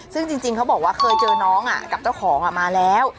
ซึ่งจริงเขาบอกว่าเคยเจอน้องกับเจ้าของมาแล้ว